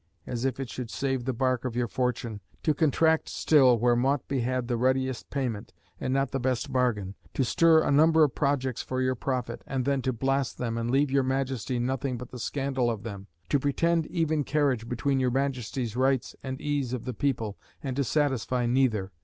as if it should save the bark of your fortune; To contract still where mought be had the readiest payment, and not the best bargain; To stir a number of projects for your profit, and then to blast them, and leave your Majesty nothing but the scandal of them; To pretend even carriage between your Majesty's rights and ease of the people, and to satisfy neither.